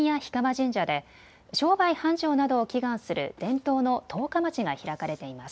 神社で商売繁盛などを祈願する伝統の十日市が開かれています。